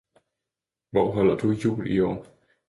Hvor holder du jul i år?